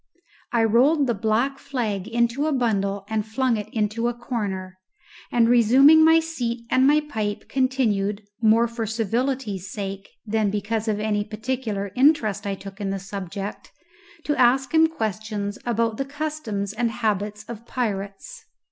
I rolled the black flag into a bundle and flung it into a corner, and, resuming my seat and my pipe, continued, more for civility's sake than because of any particular interest I took in the subject, to ask him questions about the customs and habits of pirates.